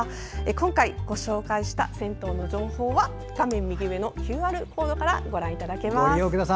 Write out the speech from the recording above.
今回ご紹介した銭湯の情報は画面右上のＱＲコードからご覧いただけます。